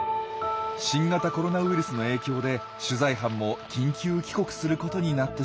新型コロナウイルスの影響で取材班も緊急帰国することになってしまったんです。